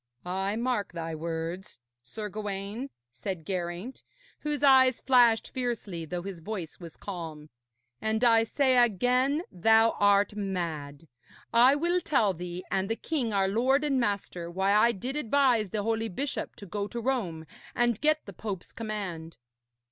'I mark thy words, Sir Gawaine,' said Geraint, whose eyes flashed fiercely, though his voice was calm, 'and I say again thou art mad. I will tell thee and the king, our lord and master, why I did advise the holy bishop to go to Rome and get the Pope's command.